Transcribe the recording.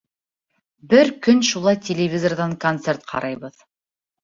Бер көн шулай телевизорҙан концерт ҡарайбыҙ.